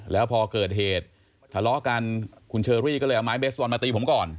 แล้วพอเกิดเหตุทะเลาะกันคุณเชอรี่ก็เลยเอาไม้เบสบอลมาตีผมก่อน